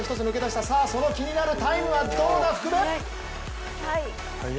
さあ、その気になるタイムはどうだ？